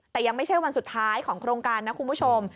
แต่ยังไม่ใช่วันสุดท้ายของโครงการนะคุณผู้ชม